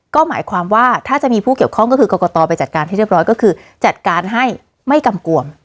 ก็หมายความว่าถ้าจะมีผู้เกี่ยวข้องก็คือกรกตไปจัดการให้เรียบร้อยก็คือจัดการให้ไม่กำกวม